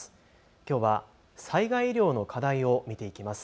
きょうは災害医療の課題を見ていきます。